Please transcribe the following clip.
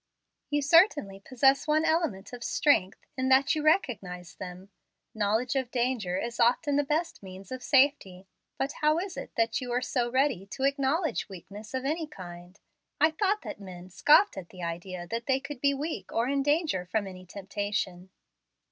"You certainly possess one element of strength, in that you recognize them. Knowledge of danger is often the best means of safety. But how is it that you are so ready to acknowledge weakness of any kind? I thought that men scoffed at the idea that they could be weak or in danger from any temptation."